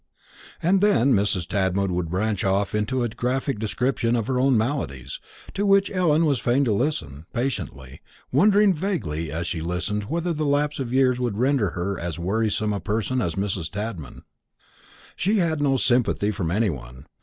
And then Mrs. Tadman would branch off into a graphic description of her own maladies, to which Ellen was fain to listen patiently, wondering vaguely as she listened whether the lapse of years would render her as wearisome a person as Mrs. Tadman. She had no sympathy from anyone.